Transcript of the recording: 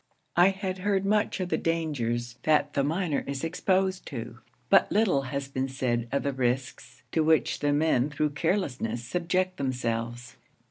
I had heard much of the dangers that the miner is exposed to, but little has been said of the risks to which the men through carelessness subject themselves.